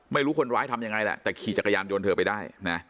ไม่รู้คนร้ายทำยังไงแหละแต่ขี่จักรยานยนต์เธอไปได้นะ